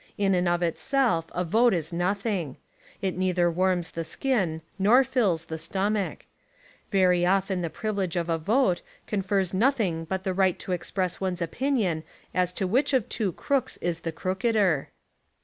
In and of itself, a vote is nothing. It neither warms the skin nor fills the stomach. Very often the privilege of a vote confers nothing but the right to express one's opinion as to which of two crooks is the crookeder.